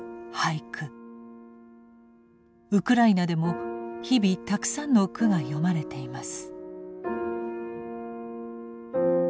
ウクライナでも日々たくさんの句が詠まれています。